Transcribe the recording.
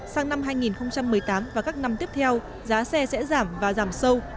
sang năm hai nghìn một mươi tám và các năm tiếp theo giá xe sẽ giảm và giảm sâu